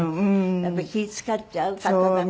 やっぱり気ぃ使っちゃう方。